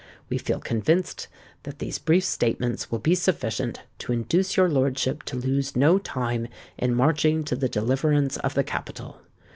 "We feel convinced that these brief statements will be sufficient to induce your lordship to lose no time in marching to the deliverance of the capital.